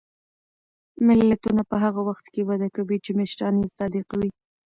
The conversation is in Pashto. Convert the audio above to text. ملتونه په هغه وخت کې وده کوي چې مشران یې صادق وي.